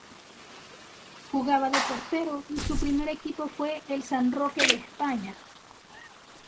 Jugaba de portero y su primer equipo fue el San Roque de España.